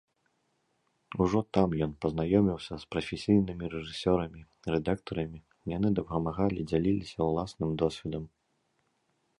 Ужо там ён пазнаёміўся з прафесійнымі рэжысёрамі, рэдактарамі, яны дапамагалі, дзяліліся ўласным досведам.